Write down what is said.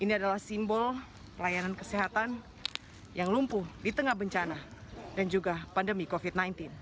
ini adalah simbol pelayanan kesehatan yang lumpuh di tengah bencana dan juga pandemi covid sembilan belas